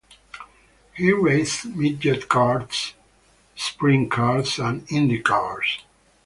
He raced midget cars, sprint cars, and IndyCars.